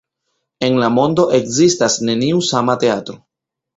En la mondo ekzistas neniu sama teatro.